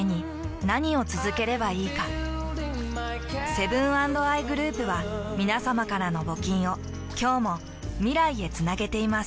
セブン＆アイグループはみなさまからの募金を今日も未来へつなげています。